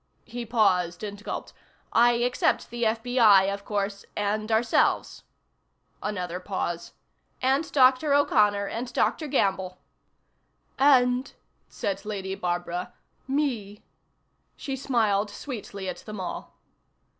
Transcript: He paused and gulped. "I except the FBI, of course and ourselves." Another pause. "And Dr. O'Connor and Dr. Gamble." "And," said Lady Barbara, "me." She smiled sweetly at them all.